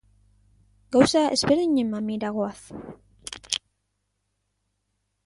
Gauza ezberdinen mamira goaz.